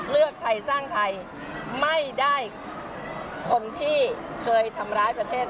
เลือกไทยสร้างไทยไม่ได้คนที่เคยทำร้ายประเทศ